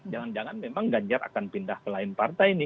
jangan jangan memang ganjar akan pindah ke lain partai ini